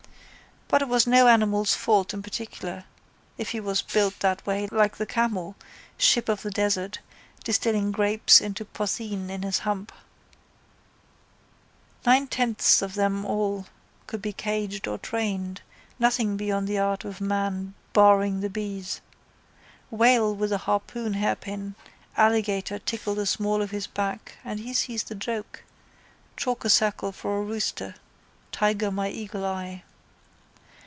But it was no animal's fault in particular if he was built that way like the camel, ship of the desert, distilling grapes into potheen in his hump. Nine tenths of them all could be caged or trained, nothing beyond the art of man barring the bees. Whale with a harpoon hairpin, alligator tickle the small of his back and he sees the joke, chalk a circle for a rooster, tiger my eagle eye.